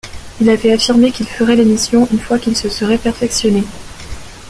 Il avait affirmé qu'il ferait l'émission une fois qu'il se serait perfectionné.